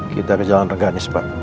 kita ke jalan reganis pak